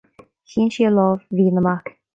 Shín sí a lámh mhín amach.